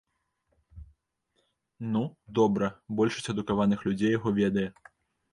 Ну, добра, большасць адукаваных людзей яго ведае.